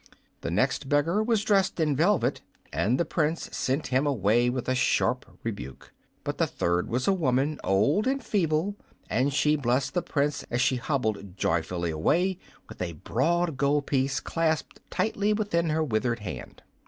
The next beggar was dressed in velvet, and the Prince sent him away with a sharp rebuke. But the third was a woman, old and feeble, and she blessed the Prince as she hobbled joyfully away with a broad gold piece clasped tightly within her withered hand.